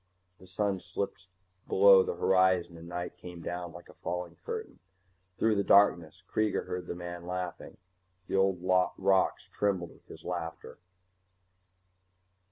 The sun slipped below the horizon and night came down like a falling curtain. Through the darkness Kreega heard the man laughing. The old rocks trembled with his laughter.